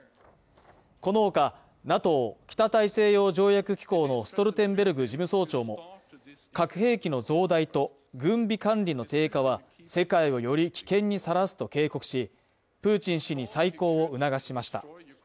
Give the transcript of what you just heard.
この他、ＮＡＴＯ＝北大西洋条約機構のストルテンベルグ事務総長も核兵器の増大と軍備管理の低下は、世界をより危険にさらすと警告し、プーチン氏に再考を促しました。